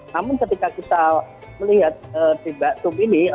namun ketika kita melihat di mbak tum ini